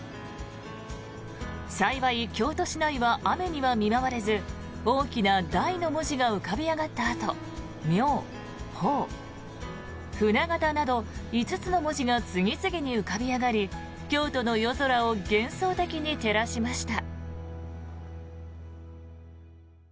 幸い、京都市内は雨には見舞われず大きな「大」の文字が浮かび上がったあと「妙法」、船形など５つの文字が次々に浮かび上がり京都の夜空を幻想的に照らしました。